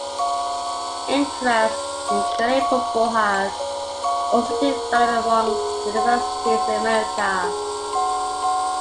Interest in Gaelic Football has also developed amongst universities in America.